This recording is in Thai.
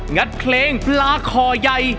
งัดเพลงปลาคอยัย